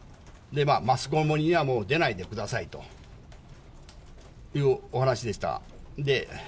マスコミにはもう出ないでくださいというお話しでした。